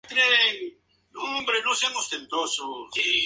Los Pirineos parece que serán duros.